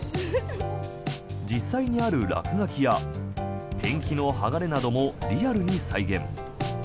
実際にある落書きやペンキの剥がれなどもリアルに再現。